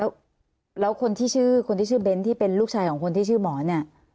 แล้วคนที่ชื่อคนที่ชื่อเน้นที่เป็นลูกชายของคนที่ชื่อหมอเนี่ย